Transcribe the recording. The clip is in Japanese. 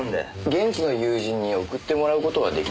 現地の友人に送ってもらう事は出来ないんですか？